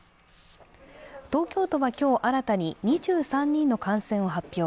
東京都は今日新たに２３人の感染を発表。